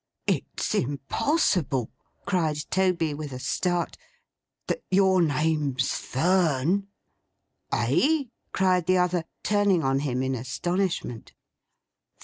'It's impossible,' cried Toby with a start, 'that your name's Fern!' 'Eh!' cried the other, turning on him in astonishment.